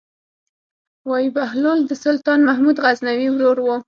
وايي بهلول د سلطان محمود غزنوي ورور و.